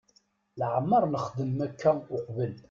Leɛmeṛ nexdem akka uqbel.